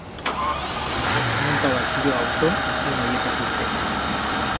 He montau a'l suyo auto, y no ye pas iste.